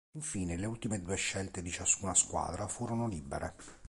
Infine le ultime due scelte di ciascuna squadra furono libere.